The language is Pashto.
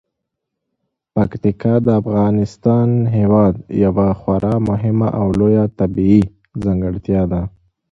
پکتیکا د افغانستان هیواد یوه خورا مهمه او لویه طبیعي ځانګړتیا ده.